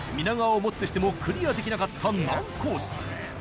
皆川をもってしてもクリアできなかった難コース